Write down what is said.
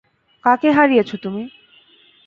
কাকে হারিয়েছ তুমি?